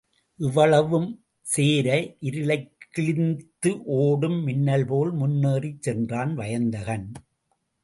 இவ்வளவும் சேர இருளைக் கிழித்து ஒடும் மின்னல்போல் முன்னேறிச் சென்றான் வயந்தகன்.